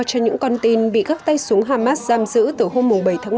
cho những con tin bị các tay súng hamas giam giữ từ hôm bảy một mươi